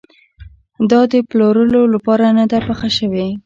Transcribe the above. دا د پلورلو لپاره نه ده پخه شوې.